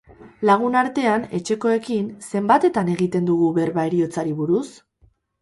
Lagun artean, etxekoekin, zenbatetan egiten dugu berba heriotzari buruz?